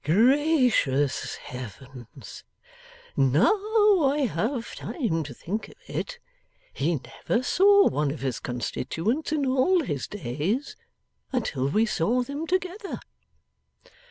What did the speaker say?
'Gracious heavens! Now I have time to think of it, he never saw one of his constituents in all his days, until we saw them together!